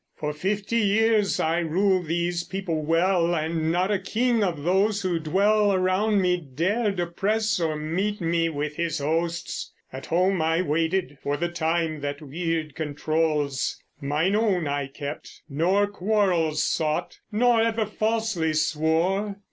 For fifty years I ruled these people well, and not a king Of those who dwell around me, dared oppress Or meet me with his hosts. At home I waited For the time that Wyrd controls. Mine own I kept, Nor quarrels sought, nor ever falsely swore.